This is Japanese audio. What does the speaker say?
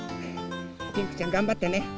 ピンクちゃんがんばってね！